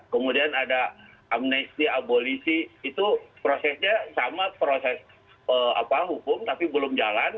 kemudian ada amnesti abolisi itu prosesnya sama proses hukum tapi belum jalan